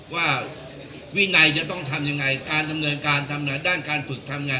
วินัยจะต้องทำยังไงการดำเนินการทำด้านการฝึกทำไง